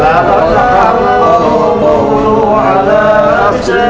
ya allah allah allah